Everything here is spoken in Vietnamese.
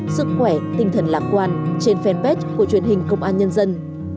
sức khỏe tinh thần lạc quan trên fanpage của truyền hình công an nhân dân